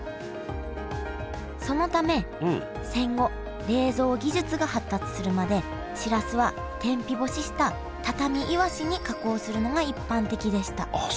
そのため戦後冷蔵技術が発達するまでしらすは天日干ししたたたみいわしに加工するのが一般的でしたあっ